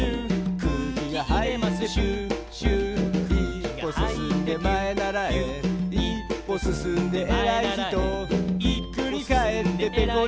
「くうきがはいってピュウピュウ」「いっぽすすんでまえならえいっぽすすんでえらいひと」「ひっくりかえってぺこり